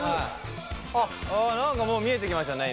あっ何かもう見えてきましたね